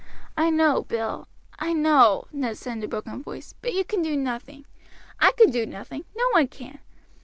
"I know, Bill I know," Ned said in a broken voice, "but you can do nothing; I can do nothing; no one can.